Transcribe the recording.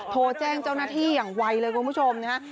โทรแจ้งเจ้าหน้าที่อย่างไวเลยคุณผู้ชมนะฮะ